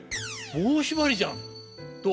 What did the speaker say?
『棒しばり』じゃん」と。